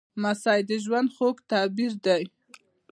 لمسی د ژوند خوږ تعبیر دی.